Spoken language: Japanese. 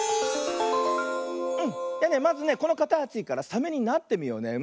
うんまずねこのかたちからサメになってみようね。